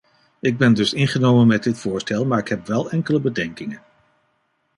Ik ben dus ingenomen met dit voorstel, maar ik heb wel enkele bedenkingen.